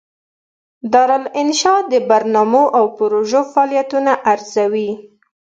دارالانشا د برنامو او پروژو فعالیتونه ارزوي.